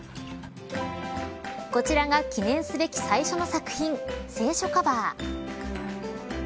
こちらが記念すべき最初の作品聖書カバー。